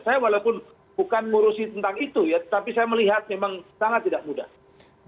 saya walaupun bukan ngurusi tentang itu ya tapi saya melihat memang sangat tidak mudah